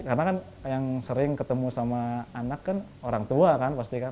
karena kan yang sering ketemu sama anak kan orang tua kan pasti kan